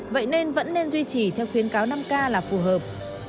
vậy nên vẫn nên duy trì theo khuyến cáo năm k là phù hợp